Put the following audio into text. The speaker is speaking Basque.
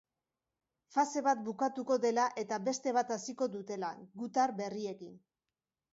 Fase bat bukatuko dela eta beste bat hasiko dutela, gutar berriekin.